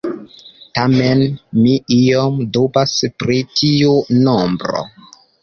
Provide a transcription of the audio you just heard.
Tamen mi iom dubas pri tiu nombro.